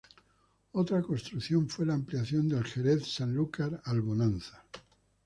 Otra construcción fue la ampliación del Jerez-Sanlúcar al Bonanza.